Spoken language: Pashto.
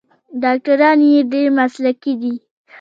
ډاکټران یې ډیر مسلکي دي.